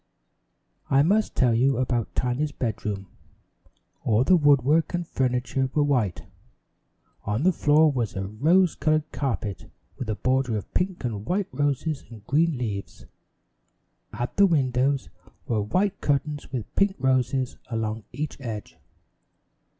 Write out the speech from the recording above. I must tell you about Tiny's bedroom. All the woodwork and furniture were white. On the floor was a rose colored carpet, with a border of pink and white roses and green leaves. At the windows were white curtains with pink roses along each edge.